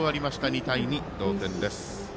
２対２の同点です。